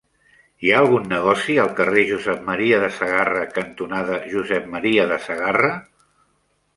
Hi ha algun negoci al carrer Josep M. de Sagarra cantonada Josep M. de Sagarra?